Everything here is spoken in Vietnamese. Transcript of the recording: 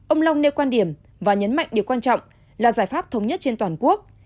ông long nêu quan điểm và nhấn mạnh điều quan trọng là giải pháp thống nhất trên toàn quốc